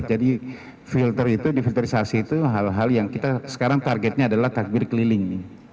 jadi filter itu filterisasi itu hal hal yang kita sekarang targetnya adalah takbir keliling